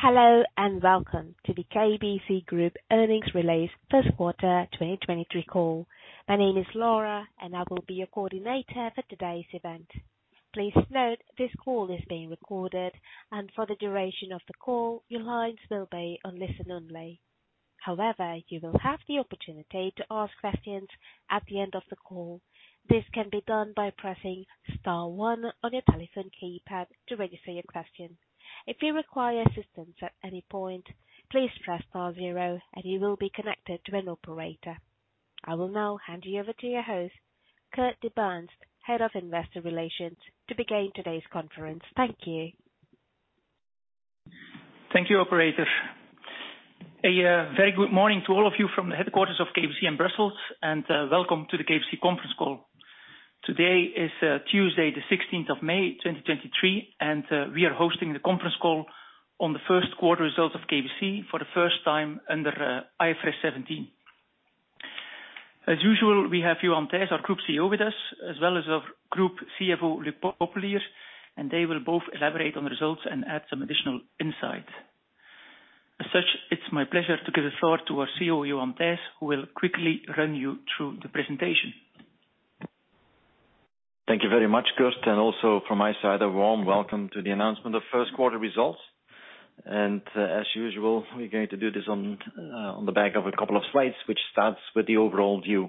Hello, and welcome to the KBC Group earnings release first quarter 2023 call. My name is Laura, and I will be your coordinator for today's event. Please note this call is being recorded, and for the duration of the call, your lines will be on listen-only. However, you will have the opportunity to ask questions at the end of the call. This can be done by pressing star one on your telephone keypad to register your question. If you require assistance at any point, please press star zero and you will be connected to an operator. I will now hand you over to your host, Kurt De Baenst, Head of Investor Relations, to begin today's conference. Thank you. Thank you, operator. A very good morning to all of you from the headquarters of KBC in Brussels. Welcome to the KBC conference call. Today is Tuesday the 16th of May, 2023. We are hosting the conference call on the first quarter results of KBC for the first time under IFRS 17. As usual, we have Johan Thijs, our Group CEO with us, as well as our Group CFO, Luc Popelier. They will both elaborate on the results and add some additional insight. As such, it's my pleasure to give the floor to our CEO, Johan Thijs, who will quickly run you through the presentation. Thank you very much, Kurt. Also from my side, a warm welcome to the announcement of first quarter results. As usual, we're going to do this on the back of a couple of slides, which starts with the overall view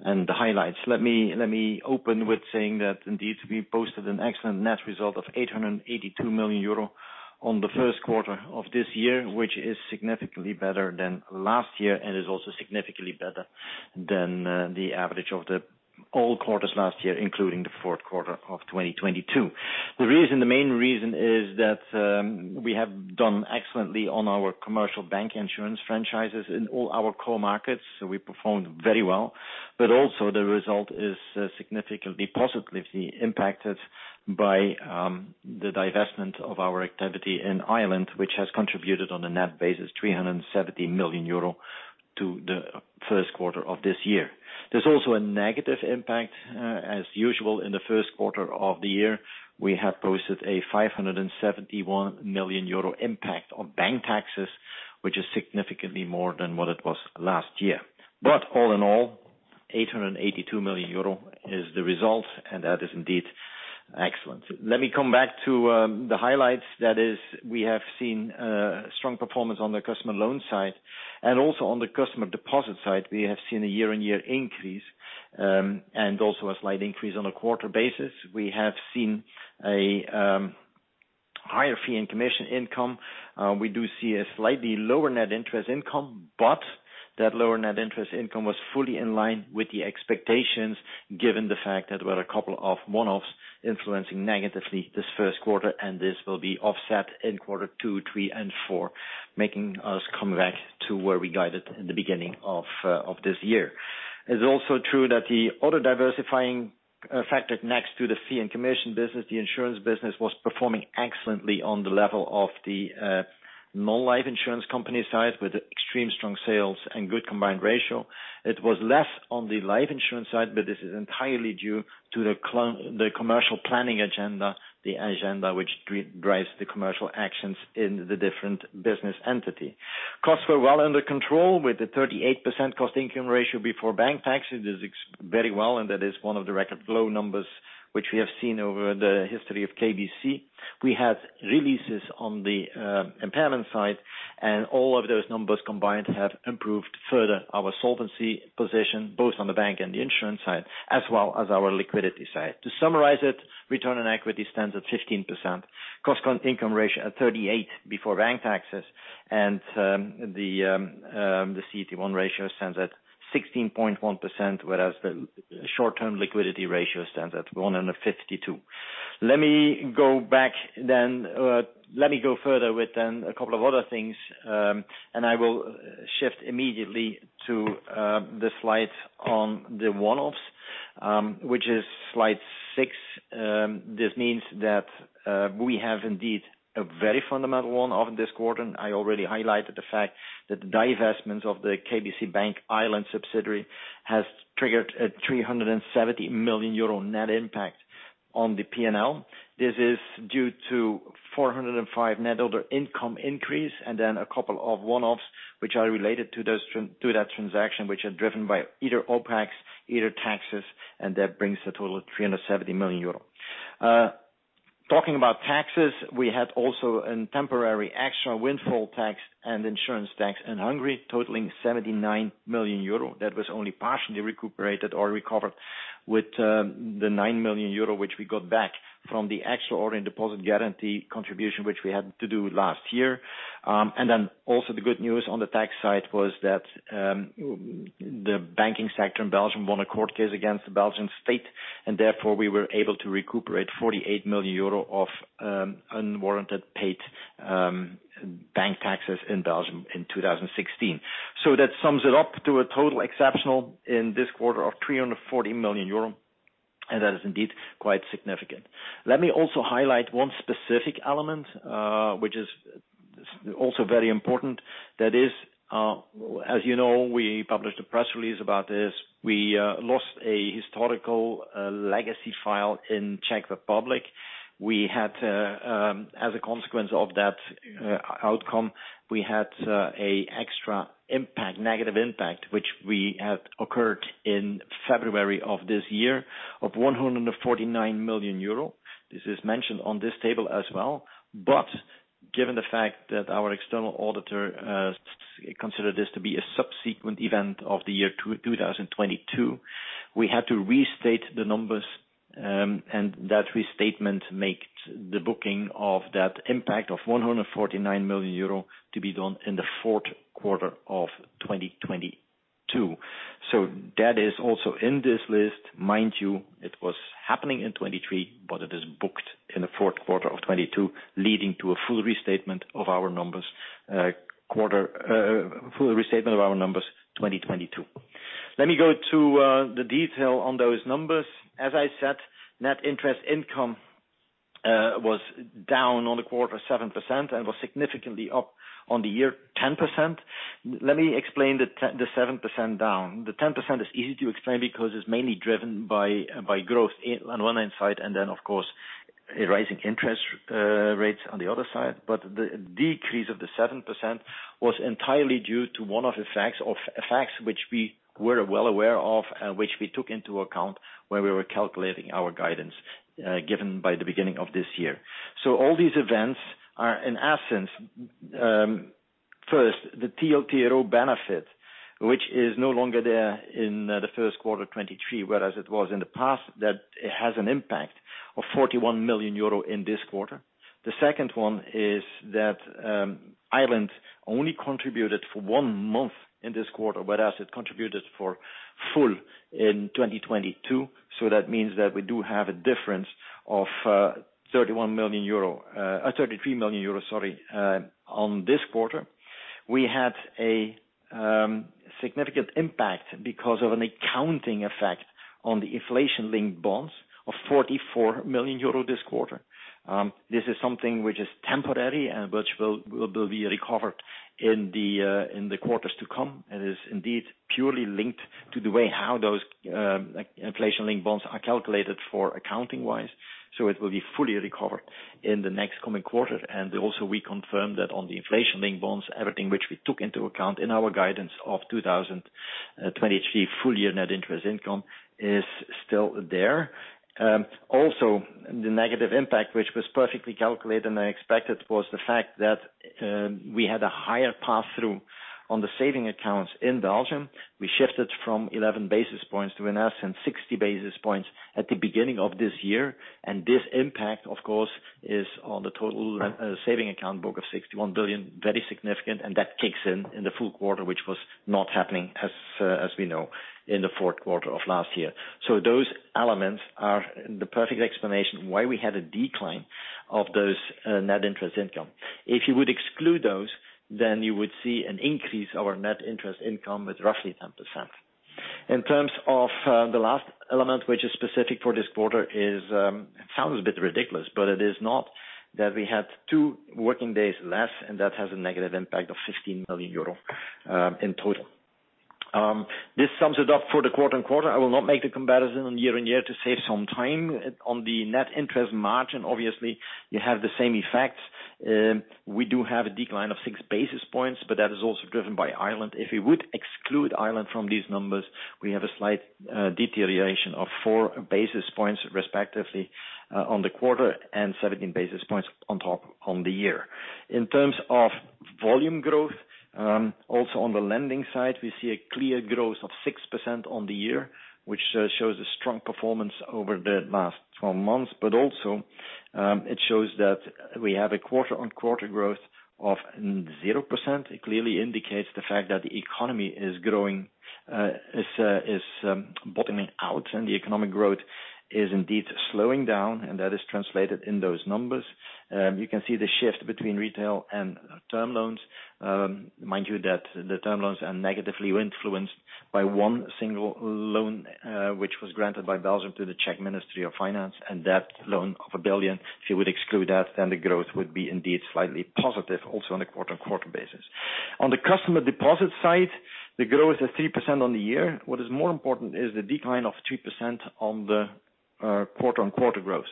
and the highlights. Let me open with saying that indeed we posted an excellent net result of 882 million euro on the first quarter of this year, which is significantly better than last year, and is also significantly better than the average of the all quarters last year, including the fourth quarter of 2022. The main reason is that we have done excellently on our commercial bank insurance franchises in all our core markets. We performed very well. Also the result is significantly positively impacted by the divestment of our activity in Ireland, which has contributed on a net basis 370 million euro to the first quarter of this year. There's also a negative impact as usual in the first quarter of the year. We have posted a 571 million euro impact on bank taxes, which is significantly more than what it was last year. All in all, 882 million euro is the result, and that is indeed excellent. Let me come back to the highlights. That is, we have seen strong performance on the customer loan side. Also on the customer deposit side, we have seen a year-on-year increase, and also a slight increase on a quarter basis. We have seen a higher fee and commission income. We do see a slightly lower net interest income, but that lower net interest income was fully in line with the expectations, given the fact that there were a couple of one-offs influencing negatively this 1st quarter, and this will be offset in quarter 2, 3, and 4, making us come back to where we guided in the beginning of this year. It's also true that the auto diversifying factor next to the fee and commission business, the insurance business, was performing excellently on the level of the non-life insurance company side with extreme strong sales and good combined ratio. It was less on the life insurance side, but this is entirely due to the commercial planning agenda, the agenda which drives the commercial actions in the different business entity. Costs were well under control with the 38% cost-income ratio before bank taxes. It does very well, and that is one of the record low numbers which we have seen over the history of KBC. We had releases on the impairment side, and all of those numbers combined have improved further our solvency position, both on the bank and the insurance side, as well as our liquidity side. To summarize it, return on equity stands at 15%, cost on income ratio at 38% before bank taxes and the CET1 ratio stands at 16.1%, whereas the short-term liquidity ratio stands at 152%. Let me go back then. Let me go further with then a couple of other things. I will shift immediately to the slide on the one-offs, which is slide 6. This means that we have indeed a very fundamental one-off this quarter. I already highlighted the fact that the divestments of the KBC Bank Ireland subsidiary has triggered a 370 million euro net impact on the P&L. This is due to 405 net other income increase and then a couple of one-offs which are related to that transaction, which are driven by either OPEX, either taxes, that brings the total of 370 million euro. Talking about taxes, we had also a temporary extra windfall tax and insurance tax in Hungary, totaling 79 million euro. That was only partially recuperated or recovered with the 9 million euro, which we got back from the extra ordinary deposit guarantee contribution, which we had to do last year. Also the good news on the tax side was that the banking sector in Belgium won a court case against the Belgian state, we were able to recuperate 48 million euro of unwarranted paid bank taxes in Belgium in 2016. That sums it up to a total exceptional in this quarter of 340 million euro, that is indeed quite significant. Let me also highlight one specific element, which is also very important that is, as you know, we published a press release about this. We lost a historical legacy file in Czech Republic. We had to, as a consequence of that outcome, we had a extra impact, negative impact, which we had occurred in February of this year of 149 million euro. This is mentioned on this table as well. Given the fact that our external auditor consider this to be a subsequent event of the year 2022, we had to restate the numbers, and that restatement makes the booking of that impact of 149 million euro to be done in the fourth quarter of 2022. That is also in this list. Mind you, it was happening in 2023, but it is booked in the fourth quarter of 2022, leading to a full restatement of our numbers, full restatement of our numbers 2022. Let me go to the detail on those numbers. As I said, net interest income was down on the quarter 7% and was significantly up on the year 10%. Let me explain the 7% down. The 10% is easy to explain because it's mainly driven by growth in on one end side, and then of course, a rising interest rates on the other side. The decrease of the 7% was entirely due to one of the facts which we were well aware of and which we took into account when we were calculating our guidance given by the beginning of this year. All these events are in essence, first, the TLTRO benefit, which is no longer there in the first quarter 2023, whereas it was in the past, that it has an impact of 41 million euro in this quarter. The second one is that Ireland only contributed for one month in this quarter, whereas it contributed for full in 2022. That means that we do have a difference of 31 million euro, 33 million euro, sorry, on this quarter. We had a significant impact because of an accounting effect on the inflation-linked bonds of 44 million euro this quarter. This is something which is temporary and which will be recovered in the quarters to come. It is indeed purely linked to the way how those inflation-linked bonds are calculated for accounting-wise, so it will be fully recovered in the next coming quarter. We confirm that on the inflation-linked bonds, everything which we took into account in our guidance of 2023 full year net interest income is still there. Also the negative impact, which was perfectly calculated and expected, was the fact that we had a higher pass-through on the saving accounts in Belgium. We shifted from 11 basis points to in essence 60 basis points at the beginning of this year. This impact, of course, is on the total saving account book of 61 billion, very significant, and that kicks in in the full quarter, which was not happening as we know in the fourth quarter of last year. Those elements are the perfect explanation why we had a decline of those, net interest income. If you would exclude those, then you would see an increase our net interest income with roughly 10%. In terms of, the last element, which is specific for this quarter, is, it sounds a bit ridiculous, but it is not, that we had two working days less, and that has a negative impact of 15 million euro, in total. This sums it up for the quarter-on-quarter. I will not make the comparison on year-on-year to save some time. On the net interest margin, obviously you have the same effects. We do have a decline of six basis points, but that is also driven by Ireland. If we would exclude Ireland from these numbers, we have a slight deterioration of 4 basis points, respectively, on the quarter and 17 basis points on top on the year. In terms of volume growth, also on the lending side, we see a clear growth of 6% on the year, which shows a strong performance over the last months. It shows that we have a quarter-on-quarter growth of 0%. It clearly indicates the fact that the economy is growing, is bottoming out and the economic growth is indeed slowing down, and that is translated in those numbers. You can see the shift between retail and term loans. Mind you that the term loans are negatively influenced by one single loan, which was granted by Belgium to the Czech Ministry of Finance. That loan of 1 billion. If you would exclude that, then the growth would be indeed slightly positive also on a quarter-on-quarter basis. On the customer deposit side, the growth is 3% on the year. What is more important is the decline of 2% on the quarter-on-quarter growth.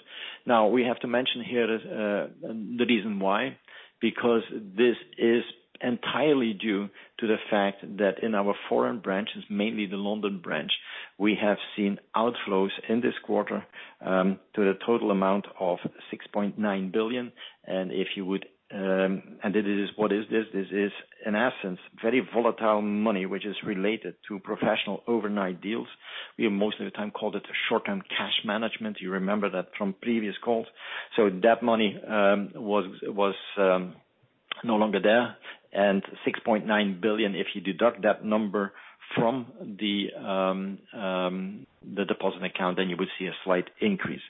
We have to mention here the reason why, because this is entirely due to the fact that in our foreign branches, mainly the London branch, we have seen outflows in this quarter to the total amount of 6.9 billion. If you would. This is in essence very volatile money which is related to professional overnight deals. We most of the time called it a short-term cash management. You remember that from previous calls. That money was no longer there. 6.9 billion, if you deduct that number from the deposit account, then you would see a slight increase.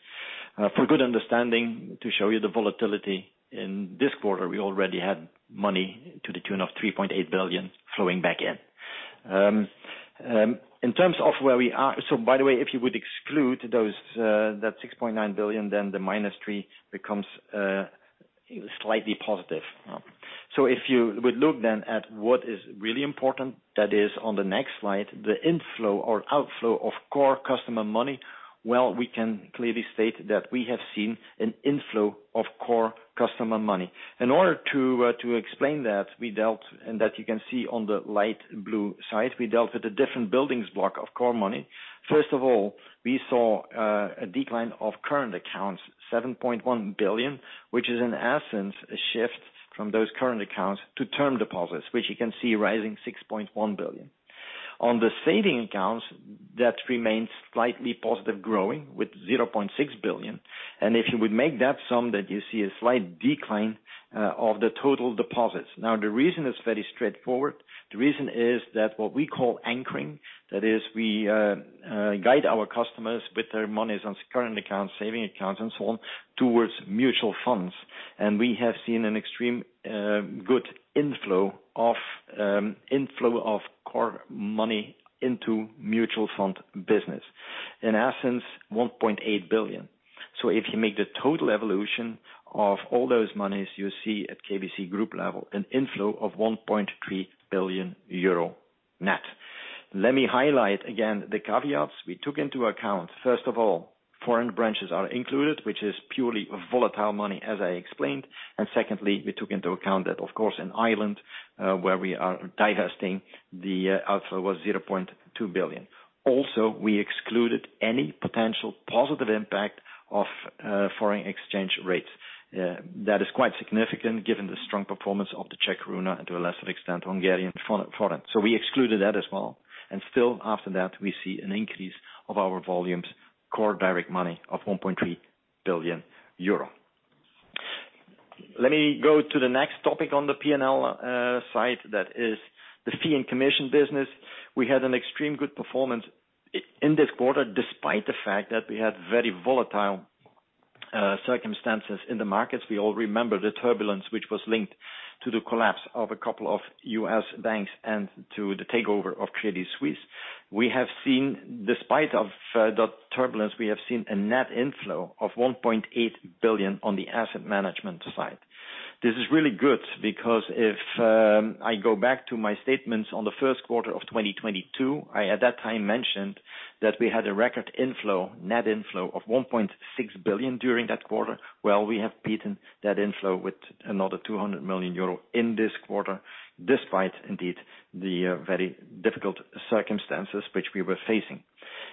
For good understanding, to show you the volatility in this quarter, we already had money to the tune of 3.8 billion flowing back in. In terms of where we are. By the way, if you would exclude those, that 6.9 billion, then the -3 becomes slightly positive. If you would look then at what is really important, that is on the next slide, the inflow or outflow of core customer money. Well, we can clearly state that we have seen an inflow of core customer money. In order to explain that, we dealt, and that you can see on the light blue side, we dealt with the different buildings block of core money. First of all, we saw a decline of current accounts, 7.1 billion, which is in essence a shift from those current accounts to term deposits, which you can see rising 6.1 billion. On the saving accounts, that remains slightly positive growing with 0.6 billion. If you would make that sum, then you see a slight decline of the total deposits. Now, the reason is very straightforward. The reason is that what we call anchoring, that is we guide our customers with their monies on current accounts, saving accounts and so on, towards mutual funds. We have seen an extreme good inflow of core money into mutual fund business. In essence, 1.8 billion. If you make the total evolution of all those monies, you see at KBC Group level an inflow of 1.3 billion euro net. Let me highlight again the caveats we took into account. First of all, foreign branches are included, which is purely volatile money as I explained. Secondly, we took into account that, of course, in Ireland, where we are divesting, the outflow was 0.2 billion. Also, we excluded any potential positive impact of foreign exchange rates. That is quite significant given the strong performance of the Czech koruna and to a lesser extent, Hungarian forint. We excluded that as well. Still after that, we see an increase of our volumes, core direct money of 1.3 billion euro. Let me go to the next topic on the P&L site, that is the fee and commission business. We had an extreme good performance in this quarter, despite the fact that we had very volatile circumstances in the markets. We all remember the turbulence which was linked to the collapse of a couple of U.S. banks and to the takeover of Credit Suisse. We have seen despite of the turbulence, we have seen a net inflow of 1.8 billion on the asset management side. This is really good because if I go back to my statements on the first quarter of 2022, I at that time mentioned that we had a record inflow, net inflow of 1.6 billion during that quarter. Well, we have beaten that inflow with another 200 million euro in this quarter, despite indeed the very difficult circumstances which we were facing.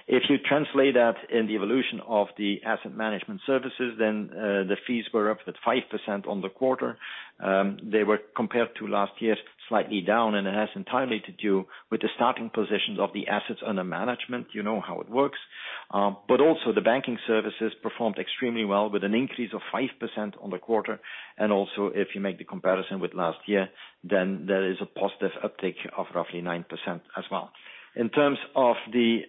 If you translate that in the evolution of the asset management services, then the fees were up at 5% on the quarter. They were compared to last year, slightly down, and it has entirely to do with the starting positions of the assets under management. You know how it works. Also, the banking services performed extremely well with an increase of 5% on the quarter. Also, if you make the comparison with last year, then there is a positive uptick of roughly 9% as well. In terms of the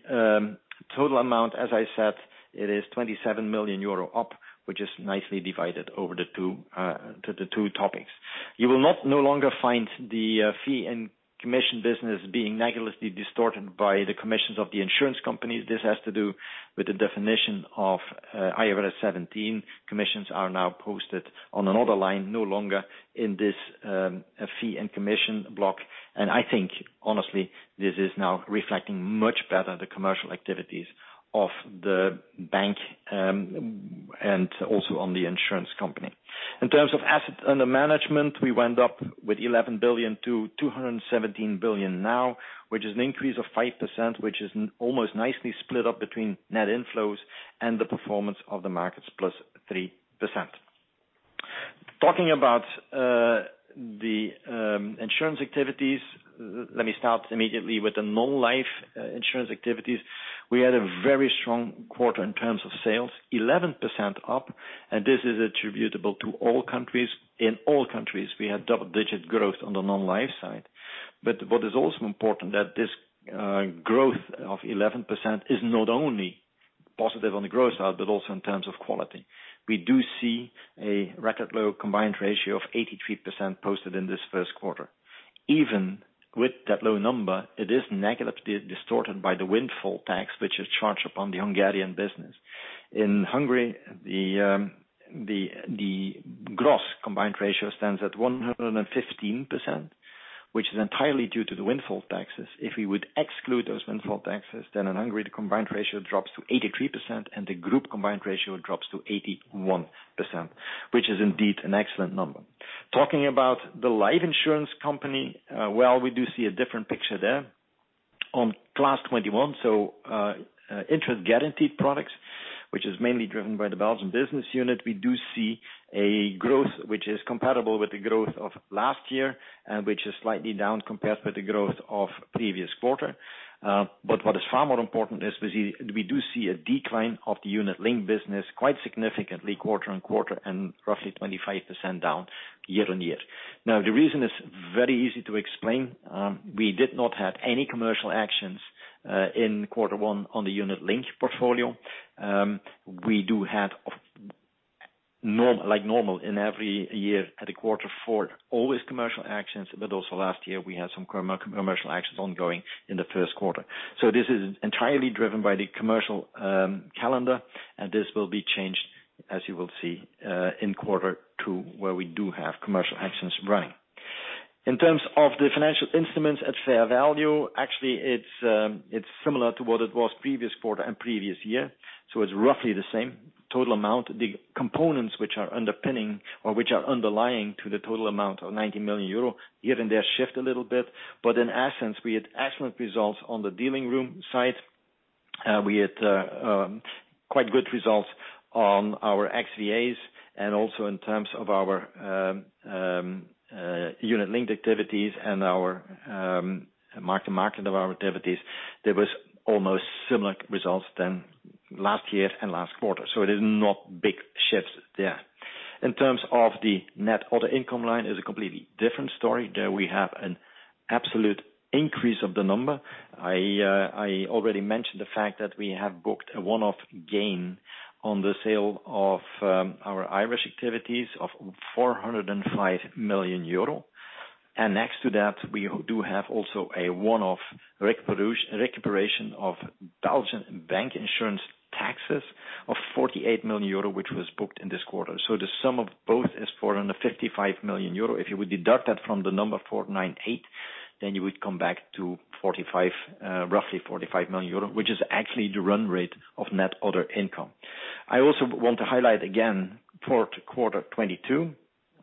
total amount, as I said, it is 27 million euro up, which is nicely divided over the two topics. You will no longer find the fee and commission business being negatively distorted by the commissions of the insurance companies. This has to do with the definition of IFRS 17. Commissions are now posted on another line, no longer in this fee and commission block. I think honestly, this is now reflecting much better the commercial activities of the bank and also on the insurance company. In terms of assets under management, we went up with 11 billion to 217 billion now, which is an increase of 5%, which is almost nicely split up between net inflows and the performance of the markets +3%. Talking about the insurance activities, let me start immediately with the non-life insurance activities. We had a very strong quarter in terms of sales, 11% up. This is attributable to all countries. In all countries, we had double-digit growth on the non-life side. What is also important that this growth of 11% is not only positive on the growth side, but also in terms of quality. We do see a record low combined ratio of 83% posted in this first quarter. Even with that low number, it is negatively distorted by the windfall tax, which is charged upon the Hungarian business. In Hungary, the gross combined ratio stands at 115%, which is entirely due to the windfall taxes. If we would exclude those windfall taxes, then in Hungary, the combined ratio drops to 83%, and the group combined ratio drops to 81%, which is indeed an excellent number. Talking about the life insurance company, well, we do see a different picture there. On Branch 21, interest guaranteed products, which is mainly driven by the Belgian business unit. We do see a growth which is comparable with the growth of last year and which is slightly down compared with the growth of previous quarter. What is far more important is we do see a decline of the unit-linked business quite significantly quarter-on-quarter and roughly 25% down year-on-year. The reason is very easy to explain. We did not have any commercial actions in quarter one on the unit-linked portfolio. We do have like normal in every year at a quarter four, always commercial actions, also last year we had some commercial actions ongoing in the first quarter. This is entirely driven by the commercial calendar, and this will be changed, as you will see, in quarter two, where we do have commercial actions running. In terms of the financial instruments at fair value, actually, it's similar to what it was previous quarter and previous year, so it's roughly the same total amount. The components which are underpinning or which are underlying to the total amount of 90 million euro, here and there shift a little bit. In essence, we had excellent results on the dealing room side. We had quite good results on our XVAs, and also in terms of our unit-linked activities and our market development activities. There was almost similar results than last year and last quarter. It is not big shifts there. In terms of the net other income line is a completely different story. There we have an absolute increase of the number. I already mentioned the fact that we have booked a one-off gain on the sale of our Irish activities of 405 million euro. Next to that, we do have also a one-off recuperation of Belgian bank insurance taxes of 48 million euro, which was booked in this quarter. The sum of both is 455 million euro. If you would deduct that from the number 498, you would come back to 45 million, roughly 45 million euro, which is actually the run rate of net other income. I also want to highlight again quarter 22.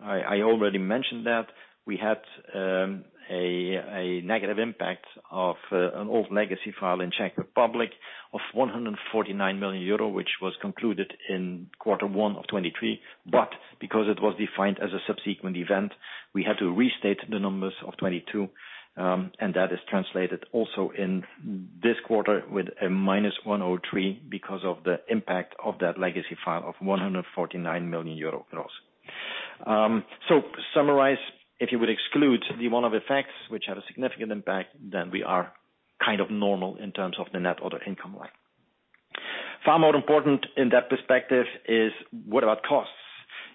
I already mentioned that. We had a negative impact of an old legacy file in Czech Republic of 149 million euro, which was concluded in Q1 2023. Because it was defined as a subsequent event, we had to restate the numbers of 2022, and that is translated also in this quarter with -103 because of the impact of that legacy file of 149 million euro gross. To summarize, if you would exclude the one-off effects, which had a significant impact, then we are kind of normal in terms of the net other income line. Far more important in that perspective is what about costs?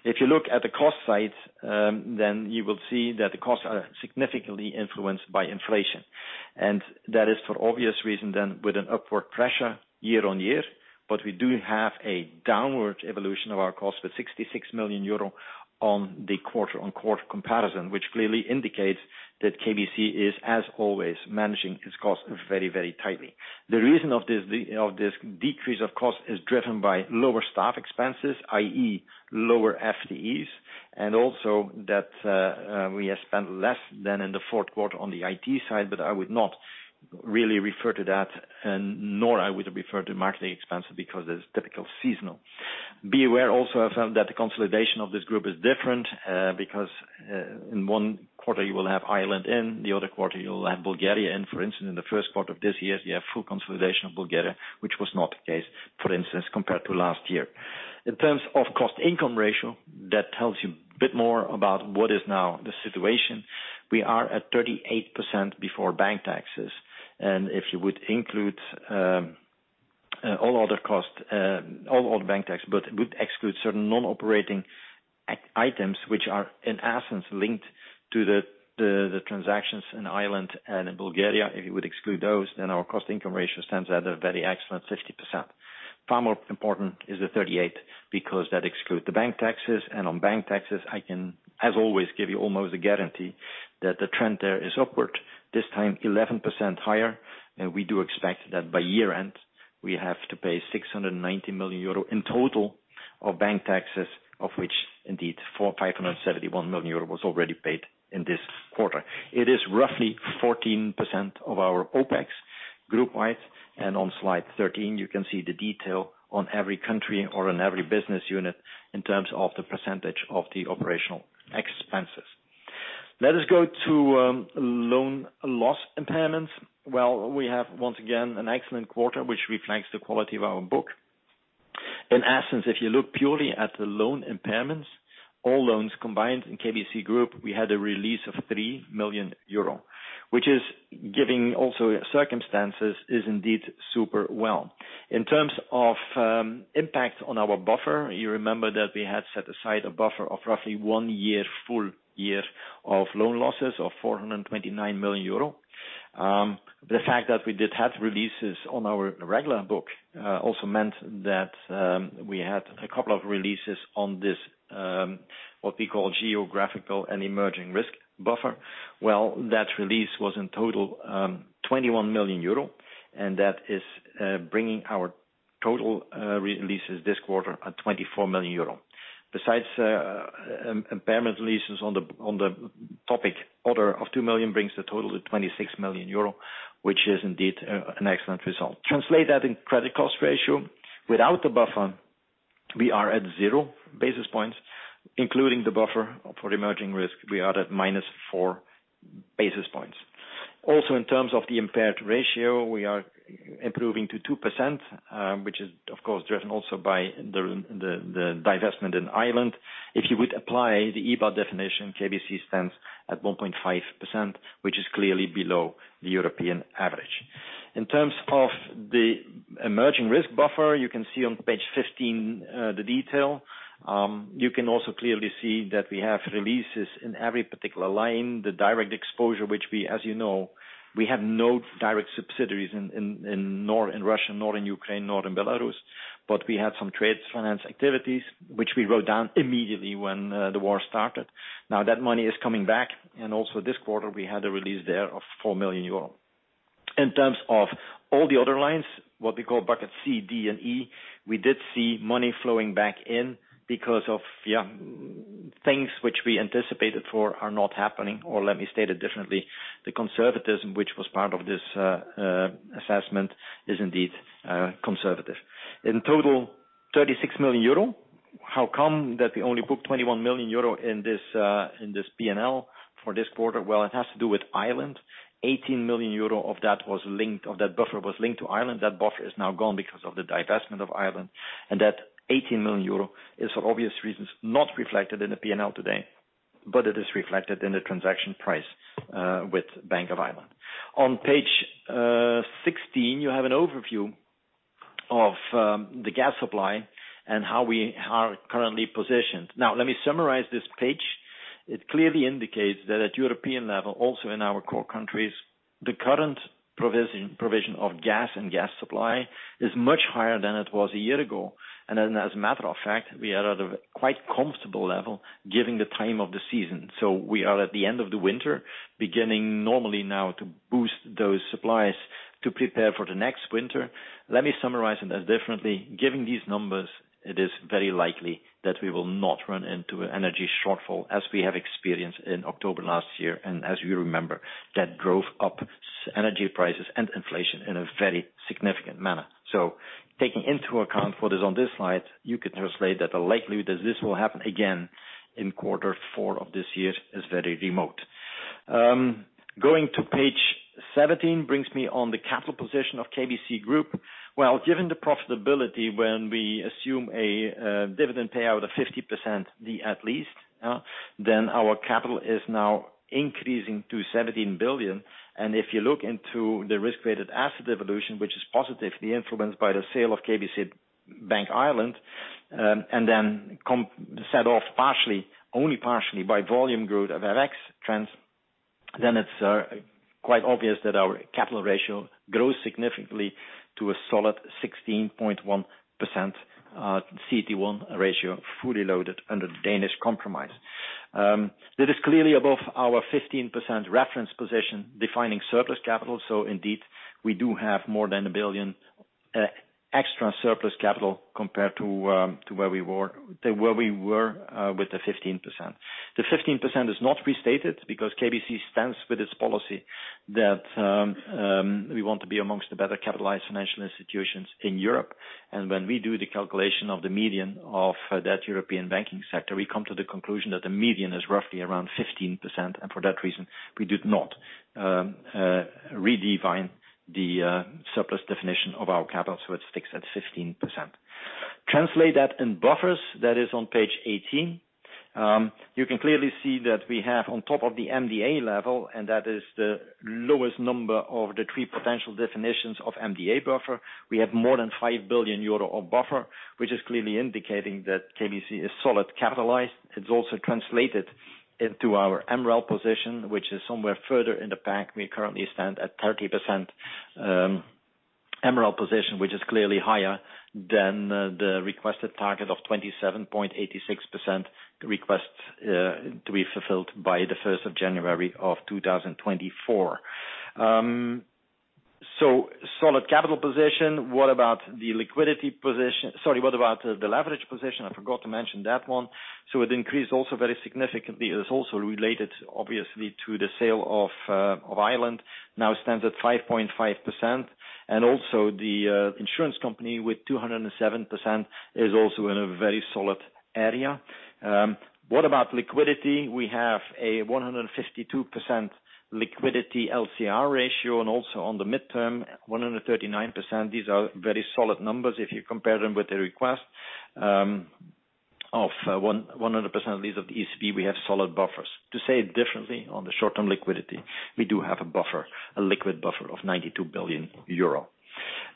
If you look at the cost side, then you will see that the costs are significantly influenced by inflation. That is for obvious reason than with an upward pressure year-over-year. We do have a downward evolution of our costs with 66 million euro on the quarter-over-quarter comparison, which clearly indicates that KBC is, as always, managing its costs very, very tightly. The reason of this decrease of cost is driven by lower staff expenses, i.e., lower FTEs, and also that we have spent less than in the fourth quarter on the IT side, but I would not really refer to that, nor I would refer to marketing expenses because it's typical seasonal. Be aware also that the consolidation of this group is different because in one quarter you will have Ireland in, the other quarter you will have Bulgaria in. For instance, in the first quarter of this year, you have full consolidation of Bulgaria, which was not the case, for instance, compared to last year. In terms of cost-income ratio, that tells you a bit more about what is now the situation. We are at 38% before bank taxes. If you would include all other costs, all bank tax, but would exclude certain non-operating items which are in essence linked to the transactions in Ireland and in Bulgaria. If you would exclude those, then our cost-income ratio stands at a very excellent 50%. Far more important is the 38, because that excludes the bank taxes. On bank taxes, I can, as always, give you almost a guarantee that the trend there is upward, this time 11% higher. We do expect that by year-end, we have to pay 690 million euro in total of bank taxes, of which indeed 571 million euro was already paid in this quarter. It is roughly 14% of our OPEX group wide. On slide 13, you can see the detail on every country or on every business unit in terms of the percentage of the operational expenses. Let us go to loan loss impairments. Well, we have once again an excellent quarter, which reflects the quality of our book. In essence, if you look purely at the loan impairments, all loans combined in KBC Group, we had a release of 3 million euro, which is giving also circumstances, is indeed super well. In terms of impact on our buffer, you remember that we had set aside a buffer of roughly 1 year, full year of loan losses of 429 million euro. The fact that we did have releases on our regular book also meant that we had a couple of releases on this, what we call geographical and emerging risk buffer. Well, that release was in total 21 million euro, and that is bringing our total releases this quarter at 24 million euro. Besides, impairment releases on the topic, order of 2 million brings the total to 26 million euro, which is indeed an excellent result. Translate that in credit cost ratio. Without the buffer, we are at 0 basis points, including the buffer for emerging risk, we are at minus 4 basis points. In terms of the impaired ratio, we are improving to 2%, which is of course driven also by the, the divestment in Ireland. If you would apply the EBA definition, KBC stands at 1.5%, which is clearly below the European average. In terms of the emerging risk buffer, you can see on page 15, the detail. You can also clearly see that we have releases in every particular line, the direct exposure, which we as you know, we have no direct subsidiaries in, in nor in Russia, nor in Ukraine, nor in Belarus. We have some trades finance activities which we wrote down immediately when the war started. That money is coming back, and also this quarter we had a release there of 4 million euro. In terms of all the other lines, what we call bucket C, D, and E, we did see money flowing back in because of, yeah, things which we anticipated for are not happening. Let me state it differently, the conservatism which was part of this assessment is indeed conservative. In total 36 million euro. How come that we only booked 21 million euro in this PNL for this quarter? Well, it has to do with Ireland. 18 million euro of that buffer was linked to Ireland. That buffer is now gone because of the divestment of Ireland. That 18 million euro is for obvious reasons, not reflected in the PNL today, but it is reflected in the transaction price with Bank of Ireland. On page 16, you have an overview of the gas supply and how we are currently positioned. Let me summarize this page. It clearly indicates that at European level, also in our core countries, the current provision of gas and gas supply is much higher than it was a year ago. As a matter of fact, we are at a quite comfortable level given the time of the season. We are at the end of the winter, beginning normally now to boost those supplies to prepare for the next winter. Let me summarize it as differently. Given these numbers, it is very likely that we will not run into an energy shortfall as we have experienced in October last year. As you remember, that drove up energy prices and inflation in a very significant manner. Taking into account what is on this slide, you can translate that the likelihood that this will happen again in quarter four of this year is very remote. Going to page 17 brings me on the capital position of KBC Group. Well, given the profitability, when we assume a dividend payout of 50%, the at least, then our capital is now increasing to 17 billion. If you look into the risk-weighted asset evolution, which is positively influenced by the sale of KBC Bank Ireland, and then set off partially, only partially by volume growth of FX trends, then it's quite obvious that our capital ratio grows significantly to a solid 16.1% CET1 ratio, fully loaded under the Danish compromise. It is clearly above our 15% reference position defining surplus capital. Indeed, we do have more than 1 billion extra surplus capital compared to where we were, than where we were with the 15%. The 15% is not restated because KBC stands with its policy that we want to be amongst the better capitalized financial institutions in Europe. When we do the calculation of the median of that European banking sector, we come to the conclusion that the median is roughly around 15%. For that reason we do not redefine the surplus definition of our capital, so it sticks at 15%. Translate that in buffers. That is on page 18. You can clearly see that we have on top of the MDA level, and that is the lowest number of the 3 potential definitions of MDA buffer. We have more than 5 billion euro of buffer, which is clearly indicating that KBC is solid capitalized. It's also translated into our MREL position, which is somewhere further in the back. We currently stand at 30% MREL position, which is clearly higher than the requested target of 27.86% request to be fulfilled by the 1st of January of 2024. Solid capital position. What about the liquidity position? Sorry, what about the leverage position? I forgot to mention that one. It increased also very significantly. It is also related obviously, to the sale of Ireland, now stands at 5.5%. Also the insurance company with 207% is also in a very solid area. What about liquidity? We have a 152% liquidity LCR ratio and also on the midterm, 139%. These are very solid numbers if you compare them with the request of 100% leads of the ECB, we have solid buffers. To say it differently, on the short-term liquidity, we do have a buffer, a liquid buffer of 92 billion euro.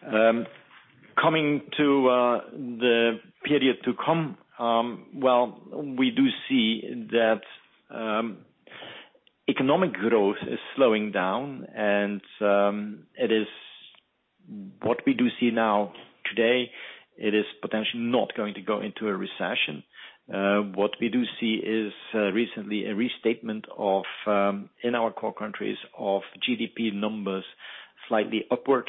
Coming to the period to come, well, we do see that economic growth is slowing down and it is what we do see now today, it is potentially not going to go into a recession. What we do see is recently a restatement of in our core countries of GDP numbers slightly upward.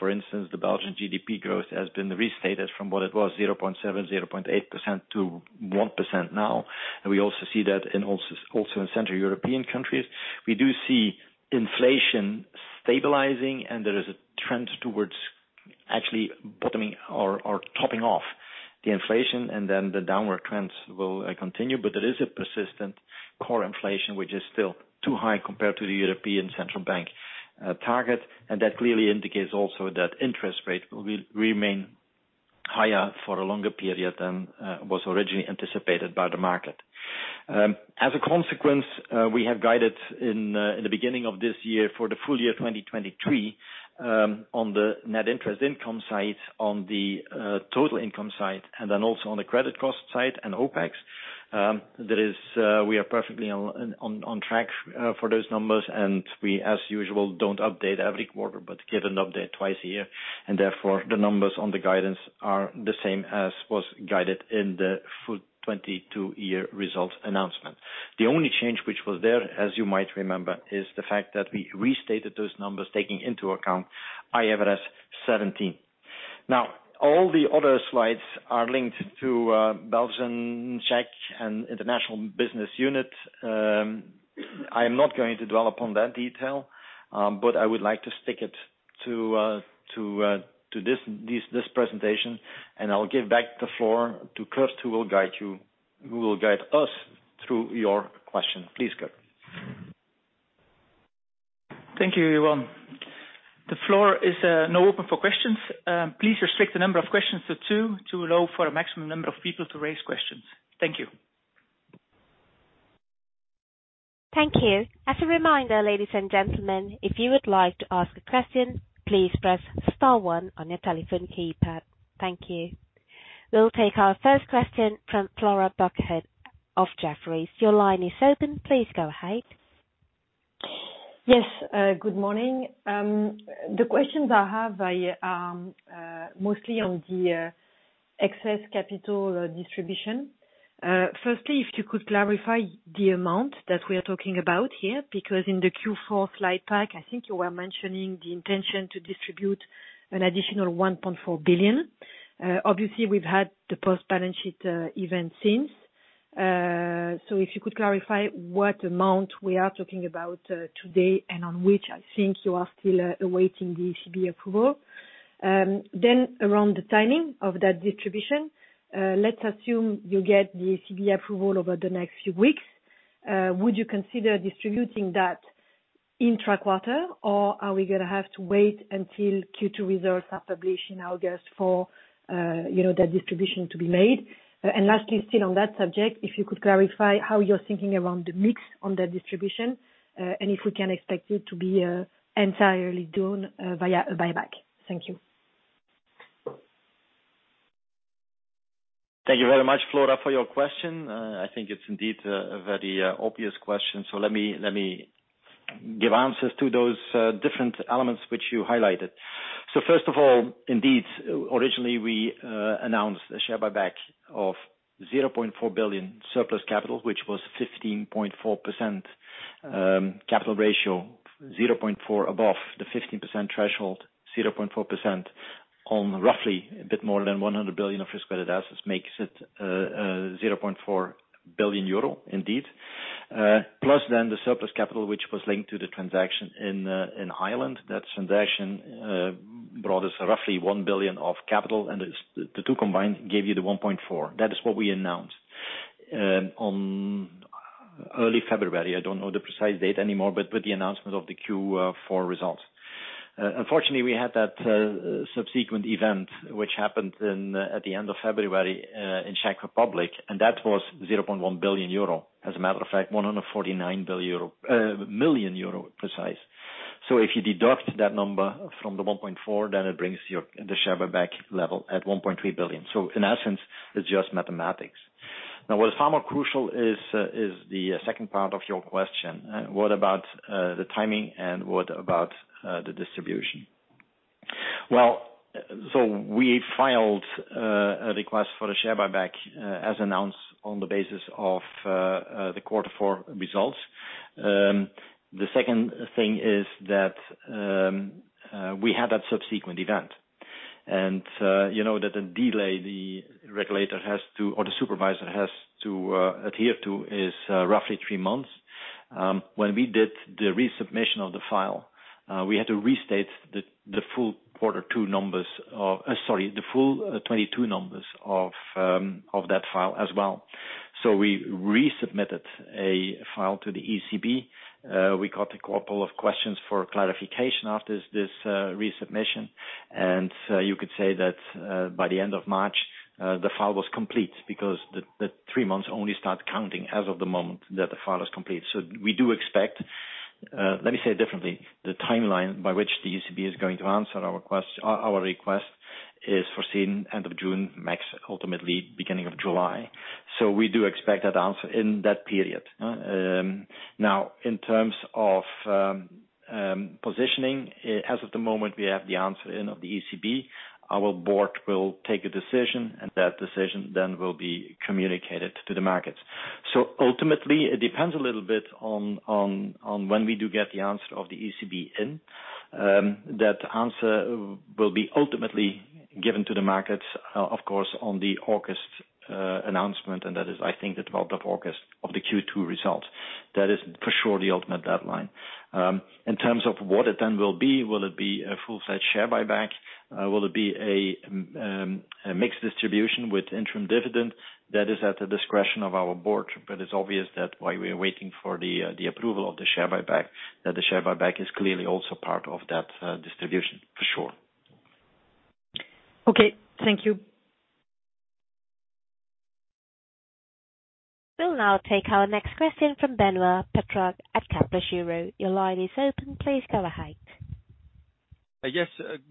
For instance, the Belgian GDP growth has been restated from what it was 0.7%, 0.8% to 1% now. We also see that in Central European countries. We do see inflation stabilizing, and there is a trend towards actually bottoming or topping off the inflation. The downward trends will continue. There is a persistent core inflation which is still too high compared to the European Central Bank target. That clearly indicates also that interest rates will remain higher for a longer period than was originally anticipated by the market. As a consequence, we have guided in the beginning of this year for the full year 2023 on the net interest income side, on the total income side, and then also on the credit cost side and OPEX. There is, we are perfectly on track for those numbers, and we as usual, don't update every quarter but give an update twice a year. Therefore, the numbers on the guidance are the same as was guided in the full 2022 year result announcement. The only change which was there, as you might remember, is the fact that we restated those numbers taking into account IFRS 17. All the other slides are linked to Belgian, Czech, and international business unit. I'm not going to dwell upon that detail, but I would like to stick it to this presentation, and I'll give back the floor to Kurt who will guide us through your questions. Please, Kurt. Thank you, everyone. The floor is now open for questions. Please restrict the number of questions to 2, to allow for a maximum number of people to raise questions. Thank you. Thank you. As a reminder, ladies and gentlemen, if you would like to ask a question, please press star one on your telephone keypad. Thank you. We'll take our first question from Flora Bocahut of Jefferies. Your line is open. Please go ahead. Yes, good morning. The questions I have I mostly on the excess capital distribution. Firstly, if you could clarify the amount that we are talking about here, because in the Q4 slide pack, I think you were mentioning the intention to distribute an additional 1.4 billion. Obviously, we've had the subsequent event since. If you could clarify what amount we are talking about today and on which I think you are still awaiting the ECB approval. Around the timing of that distribution, Let's assume you get the ECB approval over the next few weeks, would you consider distributing that intra-quarter, or are we gonna have to wait until Q2 results are published in August for, you know, the distribution to be made? Lastly, still on that subject, if you could clarify how you're thinking around the mix on that distribution, and if we can expect it to be entirely done via a buyback? Thank you. Thank you very much, Flora, for your question. I think it's indeed a very obvious question. Let me give answers to those different elements which you highlighted. First of all, indeed, originally we announced a share buyback of 0.4 billion surplus capital, which was 15.4% capital ratio, 0.4% above the 15% threshold, 0.4% on roughly a bit more than 100 billion of risk-weighted assets makes it 0.4 billion euro indeed. Plus then the surplus capital, which was linked to the transaction in Ireland. That transaction brought us roughly 1 billion of capital, and the two combined gave you the 1.4 billion. That is what we announced on early February. I don't know the precise date anymore, but with the announcement of the Q4 results. Unfortunately, we had that subsequent event which happened at the end of February in Czech Republic, and that was 0.1 billion euro, as a matter of fact, 149 million euro precise. If you deduct that number from the 1.4 billion, then it brings the share buyback level at 1.3 billion. In essence, it's just mathematics. What is far more crucial is the second part of your question. What about the timing and what about the distribution? We filed a request for a share buyback as announced on the basis of the quarter four results. The second thing is that we had that subsequent event. You know that the delay the regulator has to, or the supervisor has to adhere to is roughly 3 months. When we did the resubmission of the file, we had to restate the full Q2 numbers of... sorry, the full 22 numbers of that file as well. We resubmitted a file to the ECB. We got a couple of questions for clarification after this resubmission. You could say that by the end of March, the file was complete because the 3 months only start counting as of the moment that the file is complete. We do expect, let me say it differently. The timeline by which the ECB is going to answer our request is foreseen end of June, max, ultimately beginning of July. We do expect that answer in that period. Now, in terms of positioning, as of the moment, we have the answer in of the ECB, our board will take a decision, and that decision then will be communicated to the markets. Ultimately, it depends a little bit on when we do get the answer of the ECB in. That answer will be ultimately given to the markets, of course, on the August announcement, and that is, I think, the twelfth of August of the Q2 result. That is for sure the ultimate deadline. In terms of what it then will be, will it be a full-fledged share buyback? Will it be a mixed distribution with interim dividend? That is at the discretion of our board, but it's obvious that while we are waiting for the approval of the share buyback, that the share buyback is clearly also part of that distribution, for sure. Okay, thank you. We'll now take our next question from Benoit Petre at Kepler Cheuvreux. Your line is open. Please go ahead. Yes.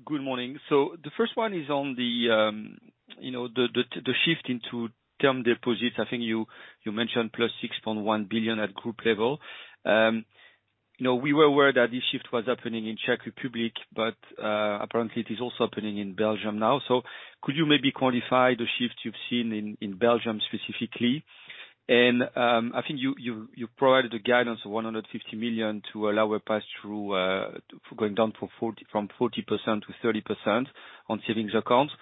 Good morning. The first one is on the, you know, the shift into term deposits. I think you mentioned +6.1 billion at group level. You know, we were aware that this shift was happening in Czech Republic, but apparently it is also happening in Belgium now. Could you maybe quantify the shift you've seen in Belgium specifically? I think you've provided the guidance of 150 million to allow a pass-through for going down from 40% to 30% on savings accounts.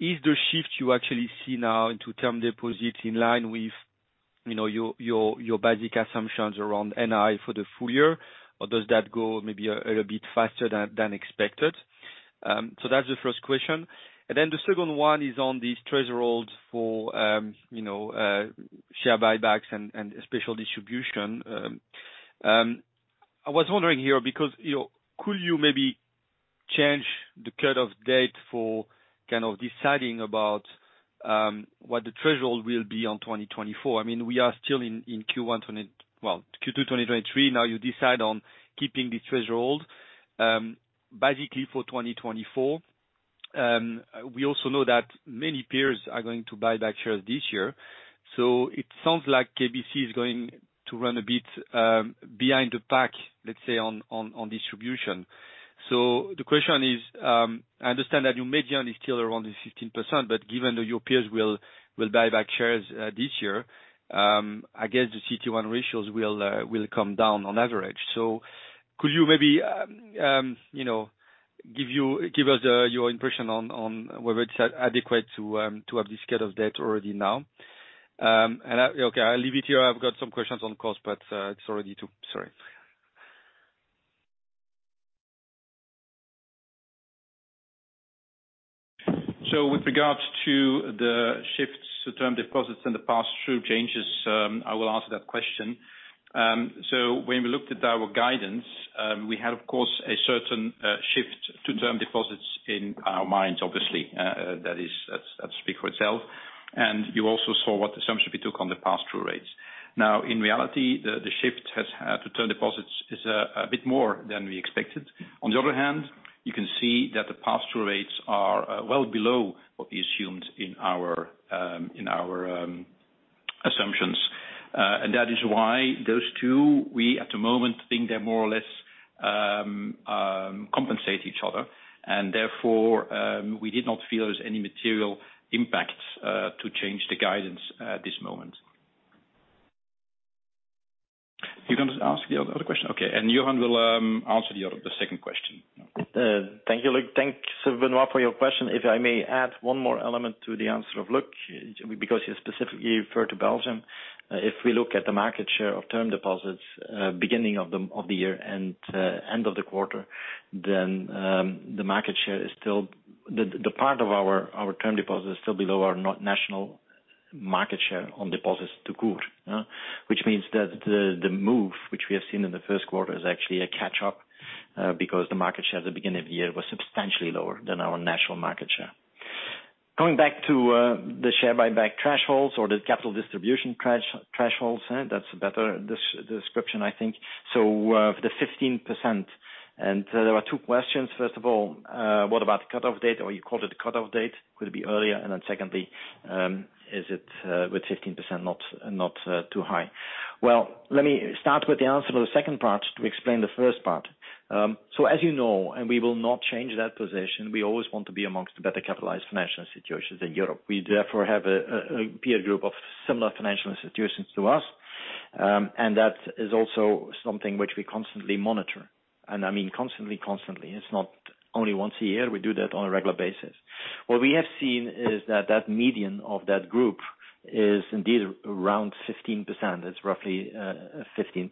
Is the shift you actually see now into term deposits in line with, you know, your basic assumptions around NII for the full year? Or does that go maybe a little bit faster than expected? That's the first question. Then the second one is on these thresholds for, you know, share buybacks and special distribution. I was wondering here because, you know, could you maybe change the cut of date for kind of deciding about what the threshold will be on 2024? I mean, we are still in Q1... Well, Q2 2023. Now you decide on keeping the threshold, basically for 2024. We also know that many peers are going to buy back shares this year. It sounds like KBC is going to run a bit behind the pack, let's say, on distribution. The question is, I understand that your median is still around the 15%, but given that your peers will buy back shares this year, I guess the CT1 ratios will come down on average. Could you maybe, you know, give us your impression on whether it's adequate to have this cut of date already now? Okay, I'll leave it here. I've got some questions on cost, but it's already too. Sorry. With regards to the shifts to term deposits and the pass-through changes, I will answer that question. When we looked at our guidance, we had of course a certain shift to term deposits in our minds, obviously. That is, that speak for itself. You also saw what assumption we took on the pass-through rates. Now, in reality, the shift has had to term deposits is a bit more than we expected. On the other hand, you can see that the pass-through rates are well below what we assumed in our assumptions. That is why those two, we at the moment think they more or less compensate each other. We did not feel there's any material impact to change the guidance at this moment. You're going to ask the other question? Okay. Johan will answer the second question. Thank you, Luc. Thanks, Benoit, for your question. If I may add one more element to the answer of Luc because you specifically refer to Belgium. If we look at the market share of term deposits, beginning of the year and end of the quarter, then the market share is still below our national market share on deposits to KBC. Which means that the move which we have seen in the first quarter is actually a catch-up because the market share at the beginning of the year was substantially lower than our national market share. Going back to the share buyback thresholds or the capital distribution thresholds, that's a better description, I think. For the 15%, there are two questions. First of all, what about the cutoff date, or you called it cutoff date, could it be earlier? Secondly, is it with 15% not too high? Well, let me start with the answer to the second part to explain the first part. As you know, and we will not change that position, we always want to be amongst the better capitalized financial institutions in Europe. We therefore have a peer group of similar financial institutions to us. That is also something which we constantly monitor. I mean constantly. It's not only once a year. We do that on a regular basis. What we have seen is that that median of that group is indeed around 15%. It's roughly 15%.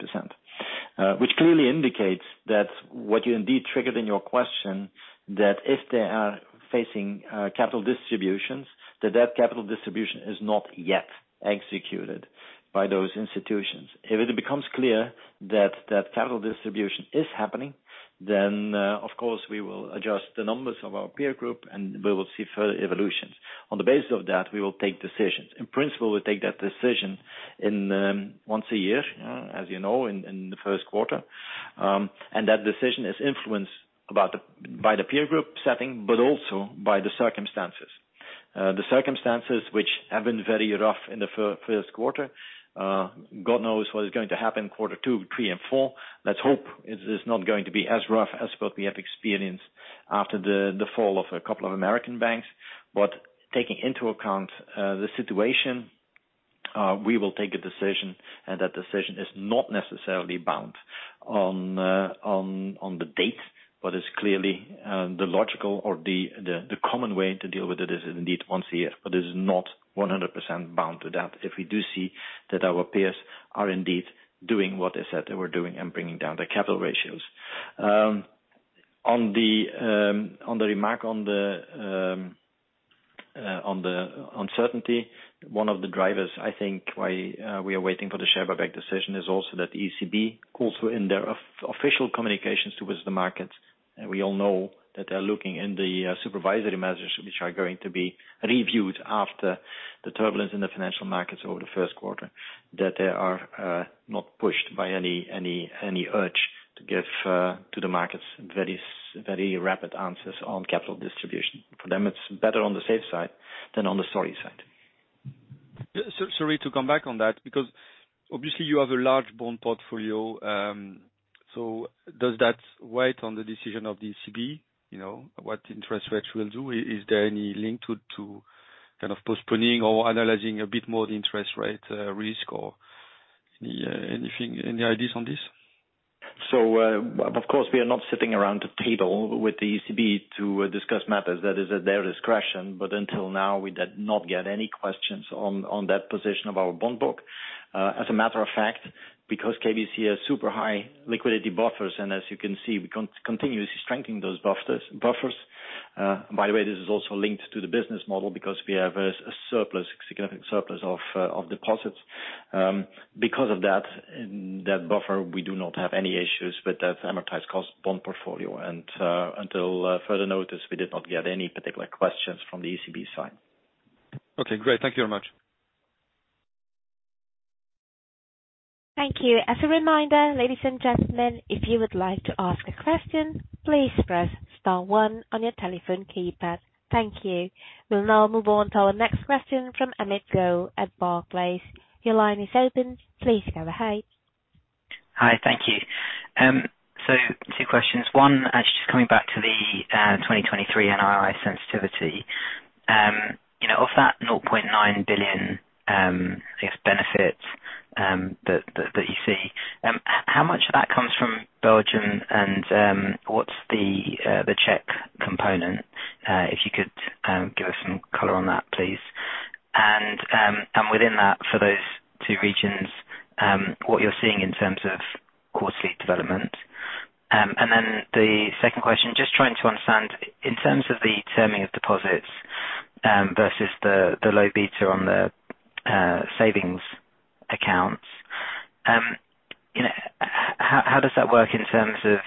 Which clearly indicates that what you indeed triggered in your question, that if they are facing capital distributions, that that capital distribution is not yet executed by those institutions. If it becomes clear that that capital distribution is happening, then, of course, we will adjust the numbers of our peer group and we will see further evolutions. On the basis of that, we will take decisions. In principle, we'll take that decision once a year, as you know, in the first quarter. That decision is influenced by the peer group setting, but also by the circumstances. The circumstances which have been very rough in the first quarter. God knows what is going to happen quarter two, three, and four. Let's hope it is not going to be as rough as what we have experienced after the fall of a couple of American banks. Taking into account the situation, we will take a decision, and that decision is not necessarily bound on the date, but is clearly the logical or the common way to deal with it is indeed once a year, but it is not 100% bound to that if we do see that our peers are indeed doing what they said they were doing and bringing down their capital ratios. On the, on the remark on the, on the uncertainty, one of the drivers, I think, why, we are waiting for the share buyback decision is also that ECB calls for in their official communications towards the markets. We all know that they're looking in the supervisory measures which are going to be reviewed after the turbulence in the financial markets over the first quarter. They are not pushed by any urge to give to the markets very rapid answers on capital distribution. For them, it's better on the safe side than on the sorry side. Sorry to come back on that because obviously you have a large bond portfolio. Does that wait on the decision of the ECB, you know, what interest rates will do? Is there any link to kind of postponing or analyzing a bit more the interest rate risk or anything, any ideas on this? Of course, we are not sitting around the table with the ECB to discuss matters, that is at their discretion. Until now, we did not get any questions on that position of our bond book. As a matter of fact, because KBC has super high liquidity buffers, and as you can see, we continuously strengthening those buffers. By the way, this is also linked to the business model because we have a surplus, significant surplus of deposits. Because of that buffer, we do not have any issues with that amortized cost bond portfolio. Until further notice, we did not get any particular questions from the ECB side. Okay, great. Thank you very much. Thank you. As a reminder, ladies and gentlemen, if you would like to ask a question, please press star one on your telephone keypad. Thank you. We'll now move on to our next question from Amit Goel at Barclays. Your line is open. Please go ahead. Hi. Thank you. Two questions. One, actually just coming back to the 2023 NII sensitivity. You know, of that 0.9 billion, I guess, benefit that you see, how much of that comes from Belgium and what's the Czech component? If you could give us some color on that, please. Within that for those two regions, what you're seeing in terms of quarterly development. The second question, just trying to understand in terms of the terming of deposits, versus the low beta on the savings accounts, you know, how does that work in terms of,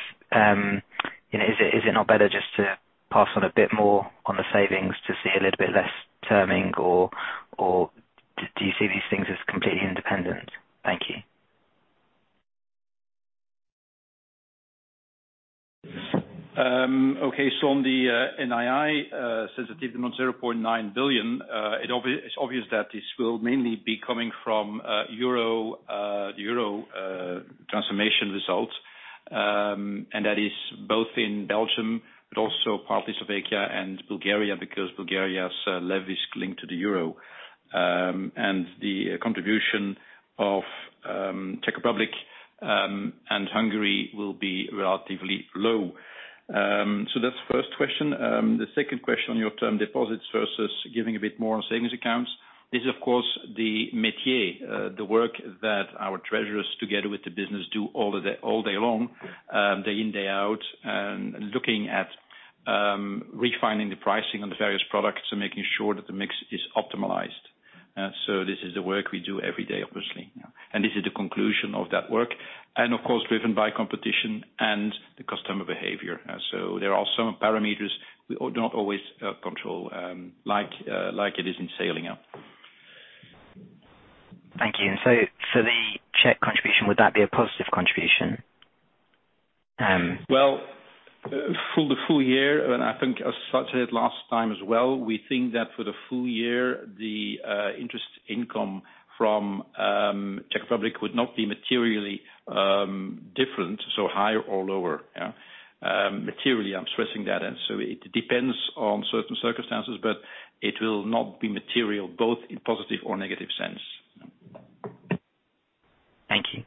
you know, is it not better just to pass on a bit more on the savings to see a little bit less terming or, do you see these things as completely independent? Thank you. On the NII sensitivity of 0.9 billion, it's obvious that this will mainly be coming from euro, the euro transformation results. That is both in Belgium, but also partly Slovakia and Bulgaria, because Bulgaria's lev is linked to the euro. The contribution of Czech Republic and Hungary will be relatively low. That's first question. The second question on your term deposits versus giving a bit more on savings accounts is of course the metier, the work that our treasurers together with the business do all day long, day in, day out. Looking at refining the pricing on the various products and making sure that the mix is optimized. This is the work we do every day, obviously. This is the conclusion of that work, and of course driven by competition and the customer behavior. There are some parameters we don't always control, like it is in sailing out. Thank you. For the Czech contribution, would that be a positive contribution? Well, for the full year, I think as I stated last time as well, we think that for the full year, the interest income from Czech Republic would not be materially different, so higher or lower. Materially, I'm stressing that it depends on certain circumstances, but it will not be material both in positive or negative sense. Thank you.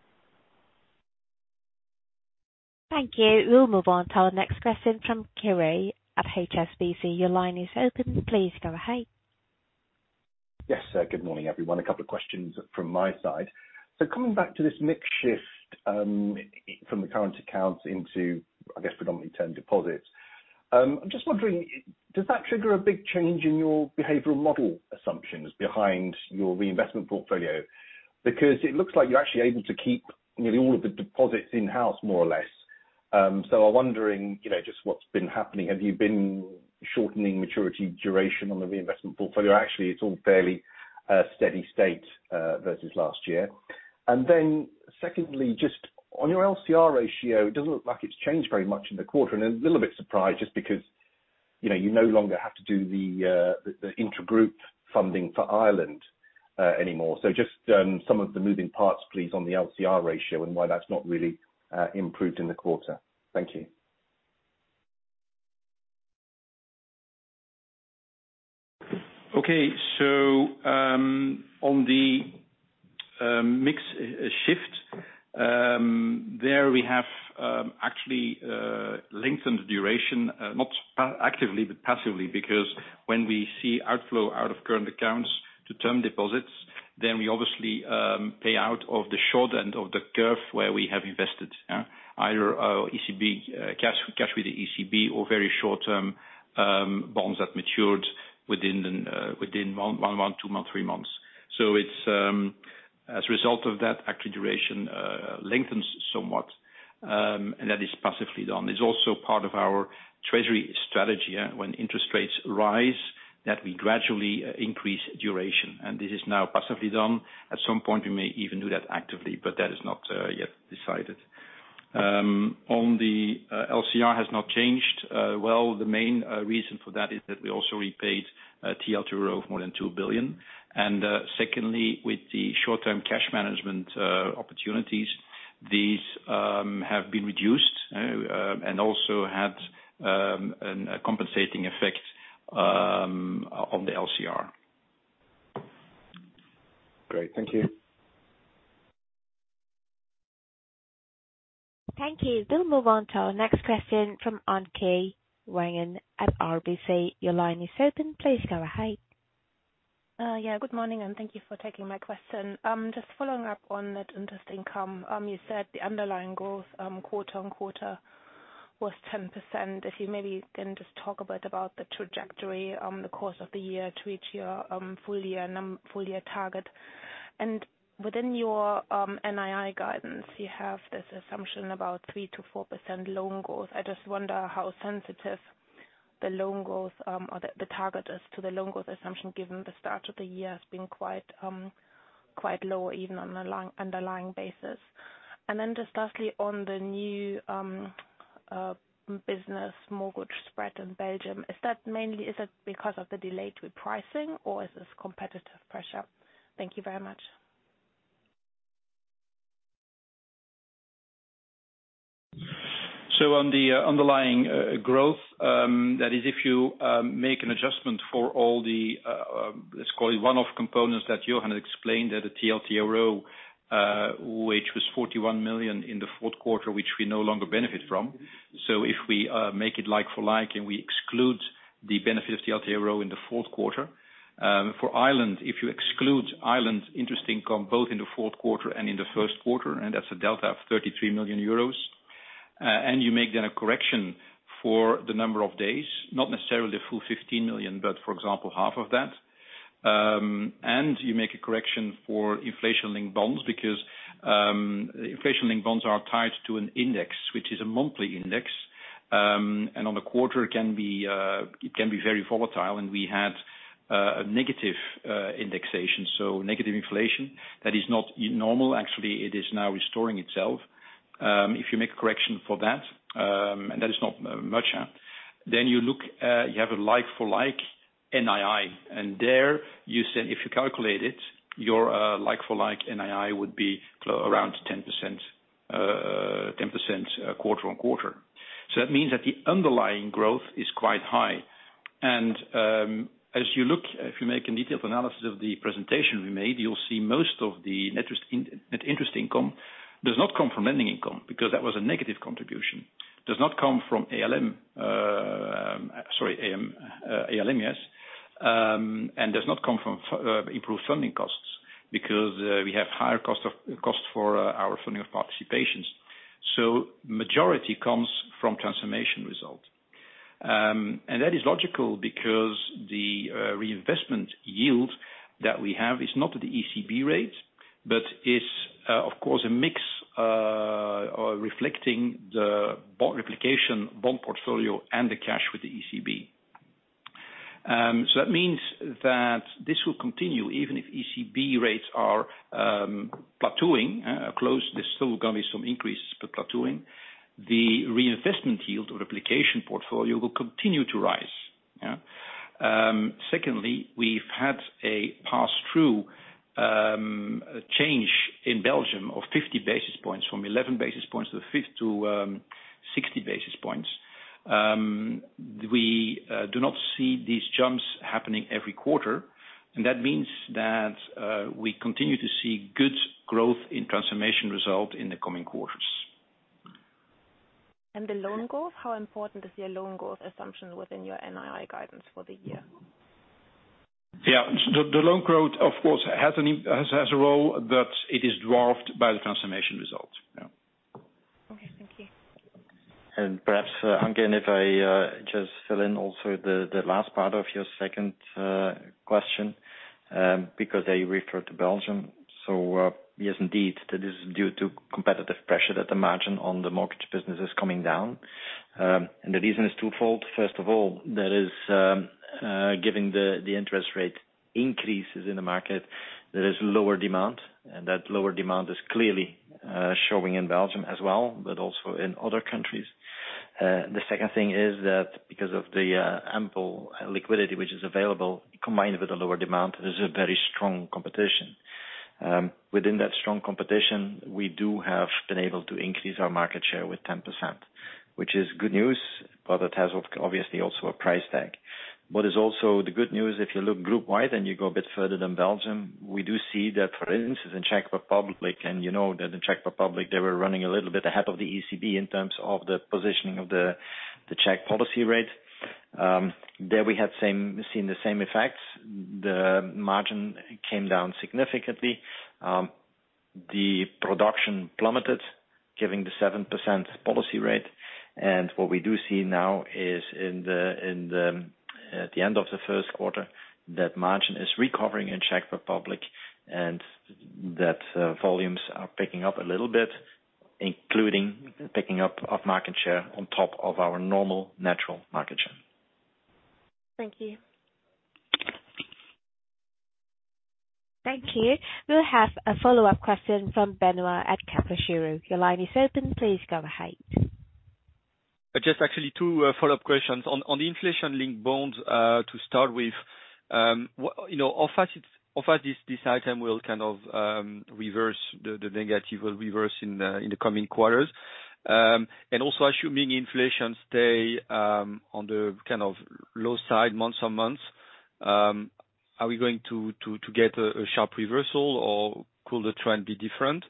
Thank you. We'll move on to our next question from Kiri at HSBC. Your line is open. Please go ahead. Yes. Good morning, everyone. A couple of questions from my side. Coming back to this mix shift, from the current accounts into, I guess, predominantly term deposits. I'm just wondering, does that trigger a big change in your behavioral model assumptions behind your reinvestment portfolio? Because it looks like you're actually able to keep nearly all of the deposits in-house, more or less. I'm wondering, you know, just what's been happening. Have you been shortening maturity duration on the reinvestment portfolio? Actually, it's all fairly steady state versus last year. Secondly, just on your LCR ratio, it doesn't look like it's changed very much in the quarter, and a little bit surprised just because, you know, you no longer have to do the intra-group funding for Ireland anymore. Just some of the moving parts, please, on the LCR ratio and why that's not really improved in the quarter. Thank you. Okay. On the mix shift, there we have actually lengthened duration, not actively, but passively because when we see outflow out of current accounts to term deposits. We obviously pay out of the short end of the curve where we have invested, yeah. Either our ECB cash with the ECB or very short-term bonds that matured within one month, two months, three months. It's as a result of that actually duration lengthens somewhat, and that is passively done. It's also part of our treasury strategy, yeah, when interest rates rise, that we gradually increase duration. This is now passively done. At some point, we may even do that actively, but that is not yet decided. On the LCR has not changed. Well, the main reason for that is that we also repaid TLTRO of more than 2 billion. Secondly, with the short-term cash management opportunities, these have been reduced and also had a compensating effect on the LCR. Great. Thank you. Thank you. We'll move on to our next question from Anke Reingen at RBC. Your line is open. Please go ahead. Yeah, good morning, and thank you for taking my question. Just following up on that interest income, you said the underlying growth quarter on quarter was 10%. If you maybe can just talk a bit about the trajectory on the course of the year to reach your full year target. Within your NII guidance, you have this assumption about 3%-4% loan growth. I just wonder how sensitive the loan growth, or the target is to the loan growth assumption, given the start of the year has been quite low, even on the underlying basis. Just lastly, on the new business mortgage spread in Belgium, is that mainly, is it because of the delay to pricing, or is this competitive pressure? Thank you very much. On the underlying growth, that is if you make an adjustment for all the let's call it one-off components that Johan had explained at the TLTRO, which was 41 million in the fourth quarter, which we no longer benefit from. If we make it like for like, and we exclude the benefit of TLTRO in the fourth quarter. For Ireland, if you exclude Ireland's interest income both in the fourth quarter and in the first quarter, and that's a delta of 33 million euros. You make a correction for the number of days, not necessarily the full 15 million, but for example, half of that. You make a correction for inflation-linked bonds, because inflation-linked bonds are tied to an index, which is a monthly index. On the quarter, it can be very volatile, and we had a negative indexation, so negative inflation. That is not normal. Actually, it is now restoring itself. If you make a correction for that, and that is not much, then you look, you have a like-for-like NII. There, you said if you calculate it, your like-for-like NII would be around 10% quarter-on-quarter. That means that the underlying growth is quite high. As you look, if you make a detailed analysis of the presentation we made, you'll see most of the net interest income does not come from lending income, because that was a negative contribution. Does not come from ALM, sorry, ALM, yes. Does not come from improved funding costs, because we have higher cost for our funding of participations. Majority comes from transformation result. That is logical because the reinvestment yield that we have is not at the ECB rate, but is, of course, a mix, or reflecting the replication bond portfolio and the cash with the ECB. That means that this will continue even if ECB rates are plateauing, close. There still gonna be some increases, but plateauing. The reinvestment yield or replicating portfolio will continue to rise. Yeah. Secondly, we've had a pass-through change in Belgium of 50 basis points from 11 basis points to 60 basis points. We do not see these jumps happening every quarter. That means that, we continue to see good growth in transformation result in the coming quarters. The loan growth, how important is your loan growth assumption within your NII guidance for the year? Yeah. The loan growth, of course, has a role, but it is dwarfed by the transformation result. Yeah. Okay. Thank you. Perhaps, Anke, if I just fill in also the last part of your second question, because I refer to Belgium. Yes, indeed, that is due to competitive pressure that the margin on the mortgage business is coming down. The reason is twofold. First of all, there is, given the interest rate increases in the market, there is lower demand, and that lower demand is clearly showing in Belgium as well, but also in other countries. The second thing is that because of the ample liquidity which is available combined with the lower demand, there's a very strong competition. Within that strong competition, we do have been able to increase our market share with 10%, which is good news, but it has obviously also a price tag. What is also the good news, if you look group wide and you go a bit further than Belgium, we do see that, for instance, in Czech Republic, and you know that in Czech Republic, they were running a little bit ahead of the ECB in terms of the positioning of the Czech policy rate. There we had seen the same effects. The margin came down significantly. The production plummeted, giving the 7% policy rate. What we do see now is in the, in the, at the end of the first quarter, that margin is recovering in Czech Republic and that volumes are picking up a little bit, including picking up of market share on top of our normal natural market share. Thank you. Thank you. We'll have a follow-up question from Benoit at Kepler Cheuvreux. Your line is open. Please go ahead. Just actually two follow-up questions. On the inflation-linked bonds to start with, you know, how fast this item will kind of reverse the negative will reverse in the coming quarters. Also assuming inflation stay on the kind of low side month-on-month, are we going to get a sharp reversal or could the trend be different?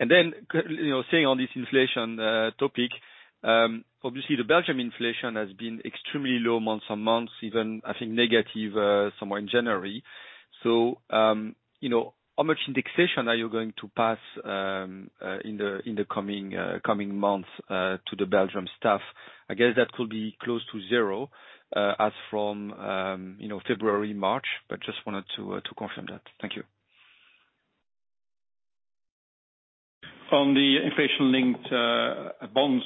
You know, staying on this inflation topic, obviously the Belgium inflation has been extremely low month-on-month, even I think negative somewhere in January. You know, how much indexation are you going to pass in the coming months to the Belgium staff? I guess that could be close to zero, as from, you know, February, March, just wanted to confirm that. Thank you. On the inflation-linked bonds,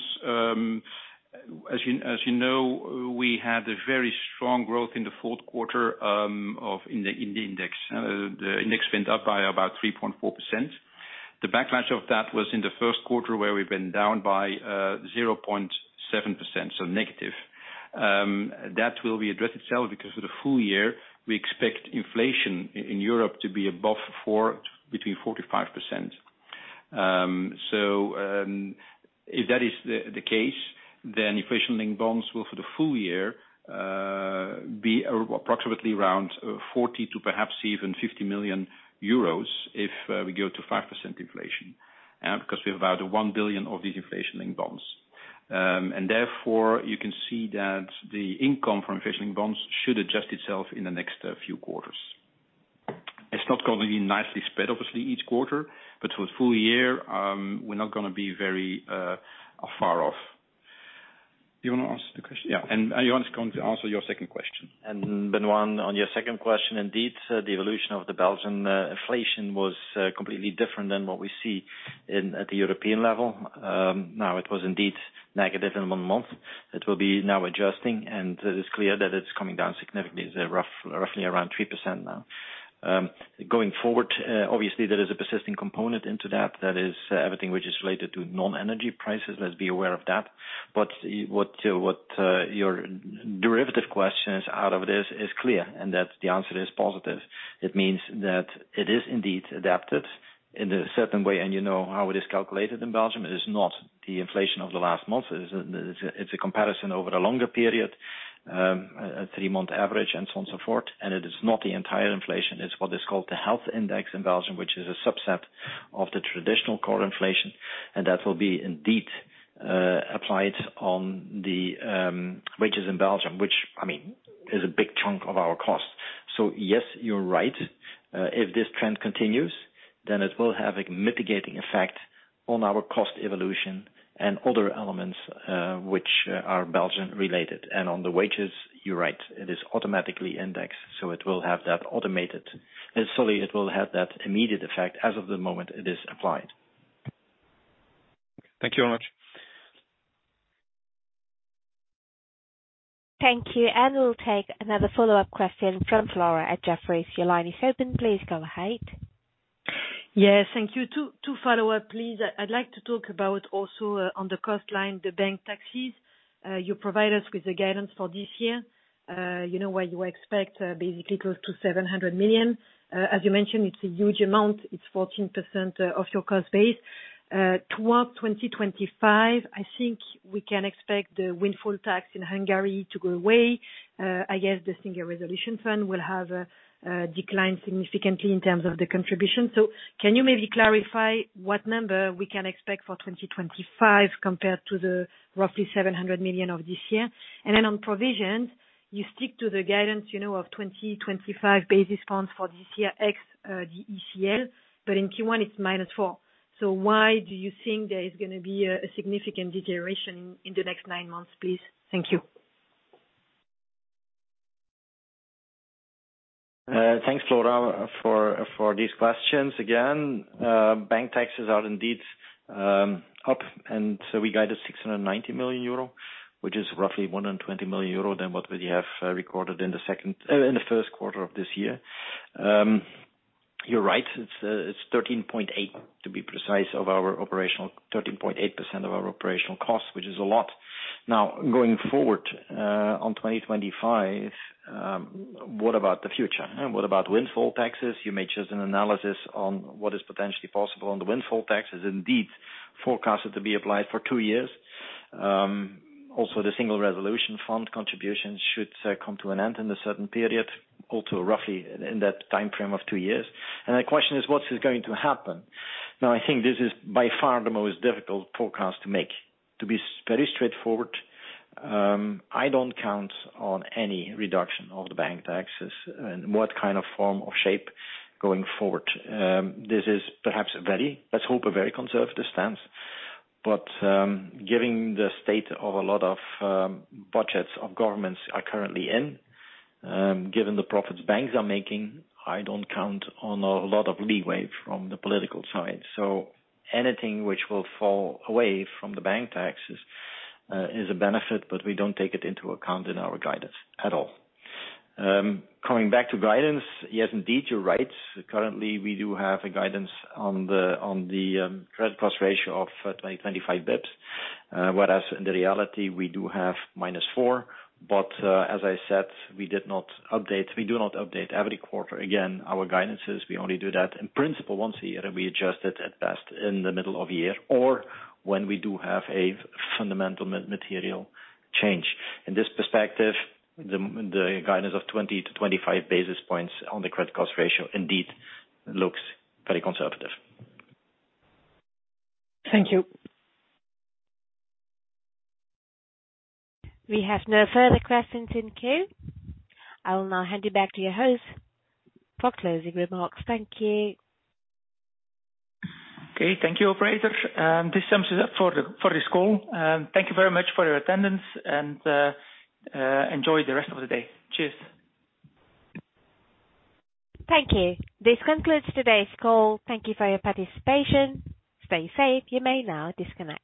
as you know, we had a very strong growth in the fourth quarter of in the index. The index went up by about 3.4%. The backlash of that was in the first quarter where we've been down by 0.7%, so negative. That will redressed itself because for the full year we expect inflation in Europe to be above 4, between 4%-5%. If that is the case, then inflation-linked bonds will for the full year be approximately around 40 million-50 million euros if we go to 5% inflation. Because we have about 1 billion of these inflation-linked bonds. Therefore you can see that the income from inflation-linked bonds should adjust itself in the next few quarters. It's not going to be nicely spread obviously each quarter, but for the full year, we're not gonna be very far off. You wanna answer the question? Yeah. You want to answer your second question. Benoit, on your second question, indeed, the evolution of the Belgian inflation was completely different than what we see in, at the European level. Now it was indeed negative in one month. It will be now adjusting and it is clear that it's coming down significantly, roughly around 3% now. Going forward, obviously there is a persisting component into that is everything which is related to non-energy prices. Let's be aware of that. What your derivative question is out of this is clear, the answer is positive. It means that it is indeed adapted in a certain way. You know how it is calculated in Belgium. It is not the inflation of the last month. It's a comparison over a longer period, a 3-month average and so on, so forth. It is not the entire inflation. It's what is called the Health Index in Belgium, which is a subset of the traditional core inflation, will be indeed applied on the wages in Belgium, which I mean, is a big chunk of our costs. Yes, you're right. If this trend continues, it will have a mitigating effect on our cost evolution and other elements, which are Belgian related. On the wages, you're right, it is automatically indexed, so it will have that automated. Solely, it will have that immediate effect as of the moment it is applied. Thank you very much. Thank you. We'll take another follow-up question from Flora at Jefferies. Your line is open. Please go ahead. Yes, thank you. 2 follow up, please. I'd like to talk about also on the cost line, the bank taxes. You provide us with the guidance for this year. You know where you expect basically close to 700 million. As you mentioned, it's a huge amount. It's 14% of your cost base. Towards 2025, I think we can expect the windfall tax in Hungary to go away. I guess the Single Resolution Fund will have a decline significantly in terms of the contribution. Can you maybe clarify what number we can expect for 2025 compared to the roughly 700 million of this year? On provisions, you stick to the guidance, you know, of 20-25 basis points for this year x the ECL, but in Q1 it's minus 4. Why do you think there is gonna be a significant deterioration in the next nine months, please? Thank you. Thanks, Flora, for these questions. Again, bank taxes are indeed up. We guided 690 million euro, which is roughly 120 million euro than what we have recorded in the first quarter of this year. You're right. It's 13.8%, to be precise, of our operational costs, which is a lot. Going forward on 2025, what about the future? What about windfall taxes? You may choose an analysis on what is potentially possible on the windfall taxes indeed forecasted to be applied for 2 years. Also the Single Resolution Fund contributions should come to an end in a certain period, also roughly in that timeframe of 2 years. The question is, what is going to happen? I think this is by far the most difficult forecast to make. To be very straightforward, I don't count on any reduction of the bank taxes and what kind of form or shape going forward. This is perhaps a very, let's hope, a very conservative stance. Given the state of a lot of budgets of governments are currently in, given the profits banks are making, I don't count on a lot of leeway from the political side. Anything which will fall away from the bank taxes is a benefit, but we don't take it into account in our guidance at all. Coming back to guidance. Yes, indeed, you're right. Currently, we do have a guidance on the credit cost ratio of 20-25 basis points. Whereas in the reality we do have -4. As I said, we did not update. We do not update every quarter. Our guidance is we only do that in principle once a year, and we adjust it at best in the middle of year or when we do have a fundamental material change. In this perspective, the guidance of 20 to 25 basis points on the credit cost ratio indeed looks very conservative. Thank you. We have no further questions in queue. I will now hand you back to your host for closing remarks. Thank you. Okay. Thank you, operator. This sums it up for this call. Thank you very much for your attendance and enjoy the rest of the day. Cheers. Thank you. This concludes today's call. Thank you for your participation. Stay safe. You may now disconnect.